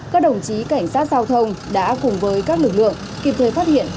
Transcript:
các đồng chí cảnh sát giao thông đã cùng với các lực lượng kịp thời phát hiện